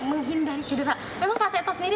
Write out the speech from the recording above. menghindar cedera memang kak seta sendiri